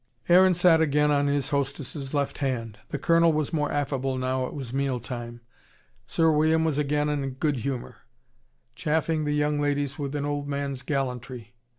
Aaron sat again on his hostess' left hand. The Colonel was more affable now it was meal time. Sir William was again in a good humour, chaffing the young ladies with an old man's gallantry.